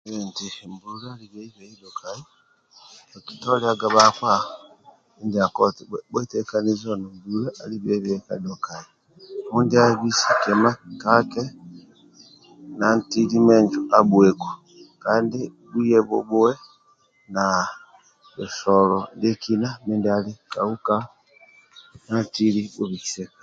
Nkibhotoliaga buakpa